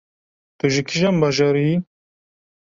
Tu ji kîjan bajarî yî?